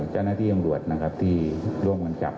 จ้านาธิองรวจที่ร่วมกันจับ